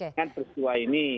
dengan perkejuan ini